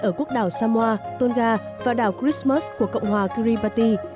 ở quốc đảo samoa tonga và đảo chrismus của cộng hòa kiribati